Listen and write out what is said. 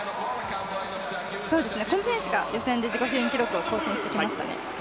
この選手が予選で自己新記録を更新してきましたね。